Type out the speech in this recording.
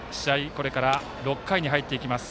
これから６回に入っていきます。